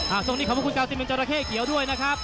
อ่าทรงนี้ขอบคุณครับสิบเงินจราเข้เขียวด้วยนะครับ